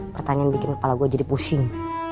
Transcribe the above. pertanyaan bikin kepala gue jadi pusing